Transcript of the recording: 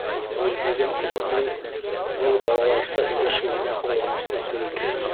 Гөлйөҙөм улының был балаларса һөйләшеүенә ҡыуаныслы көлдө: